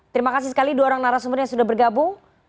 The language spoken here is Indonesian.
terima kasih sekali dua orang narasumber yang sudah bergabung